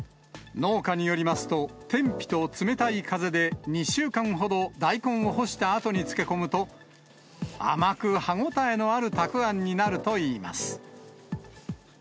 農家によりますと、天日と冷たい風で、２週間ほど大根を干したあとに漬け込むと、甘く歯応えのあるたくあんになるといいます。